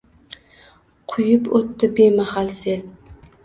Quyib o’tdi bemahal sel